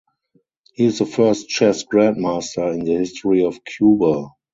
He is the first chess grandmaster in the history of Cuba.